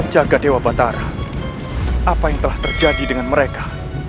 jaga dewa batara apa yang telah terjadi dengan mereka